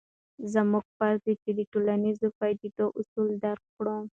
زموږ فرض دی چې د ټولنیزو پدیدو اصل درک کړو.